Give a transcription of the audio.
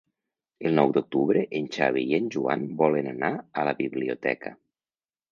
El nou d'octubre en Xavi i en Joan volen anar a la biblioteca.